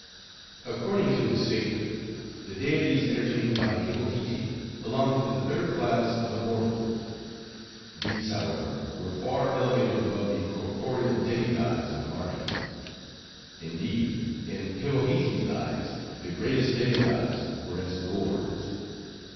According to his statement, the deities entertained by Hivohitee belonged to the third class of immortals. These, however, were far elevated above the corporeal demi gods of Mardi. Indeed, in Hivohitee's eyes, the greatest demi gods were as gourds.